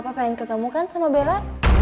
papa pengen ketemu kan sama bella